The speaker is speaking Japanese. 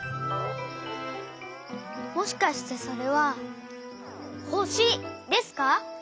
もしかしてそれはほしですか？